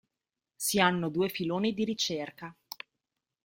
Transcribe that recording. Si hanno due filoni di ricerca.